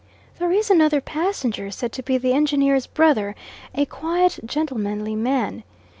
There is another passenger, said to be the engineer's brother, a quiet, gentlemanly man.